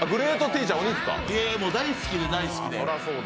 大好きで、大好きで。